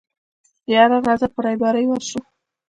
يره راځه په رېبارۍ ورشو.